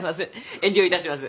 遠慮いたします。